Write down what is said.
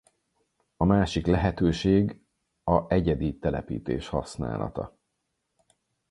A másik lehetőség a egyedi telepítés használata.